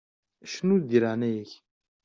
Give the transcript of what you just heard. Cnu-d di leɛnaya-k!